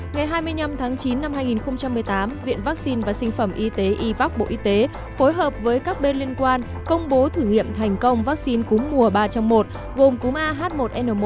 ngày hai mươi năm tháng chín năm hai nghìn một mươi tám viện vaccine và sinh phẩm y tế ivac bộ y tế phối hợp với các bên liên quan công bố thử nghiệm thành công vaccine cúng mùa ba trong một